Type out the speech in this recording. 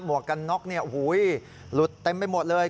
หมวกกันน็อกนี่หูยหลุดเต็มไปหมดเลย